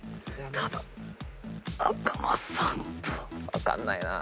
分かんないな。